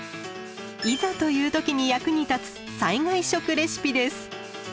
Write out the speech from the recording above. いざという時に役に立つ災害食レシピです。